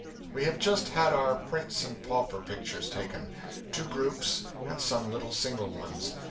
We have just had our Prince and Pauper pictures taken; two groups and some little single ones.